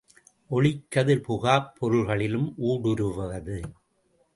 ஒளிக்கதிர் புகாப் பொருள்களிலும் ஊடுருவது.